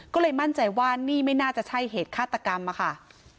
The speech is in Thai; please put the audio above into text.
ก็เลยมั่นใจว่านี่ไม่น่าจะใช่เหตุฆาตกรรมอะค่ะ